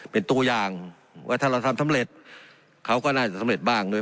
เป็นตัวอย่างว่าถ้าเราทำสำเร็จเขาก็น่าจะสำเร็จบ้างโดย